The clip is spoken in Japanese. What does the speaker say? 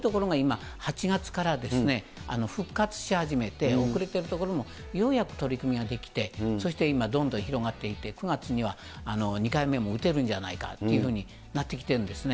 そういう所が８月から復活し始めて、遅れているところなんかもようやく取り組みが出来て、そして今、どんどん広がっていて、９月には２回目も打てるんじゃないかというふうになってきているんですね。